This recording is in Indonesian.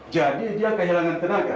jadi dia kehilangan tenaga